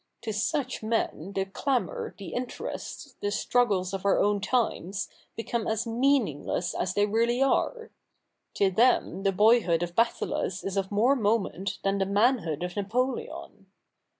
To such men the clamour, the interests, the struggles of our own times, become as meaningless as they really are. To them the boyhood of Bathyllus is of more moment than the manhood of Napoleon.